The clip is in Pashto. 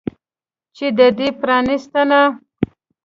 چې د دې پرانستنه